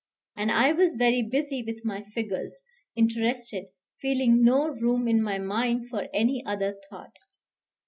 And I was very busy with my figures, interested, feeling no room in my mind for any other thought.